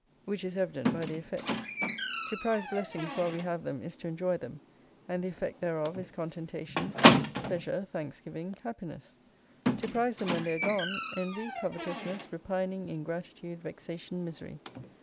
Which is evident by the effects. To prize blessings while we have them is to enjoy them, and the effect thereof is contentation, pleasure, thanksgiving, happiness. To prize them when they are gone, envy, covetousness, repining, in gratitude, vexation, misery.